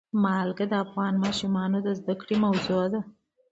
نمک د افغان ماشومانو د زده کړې موضوع ده.